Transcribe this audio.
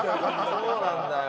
そうなんだよ。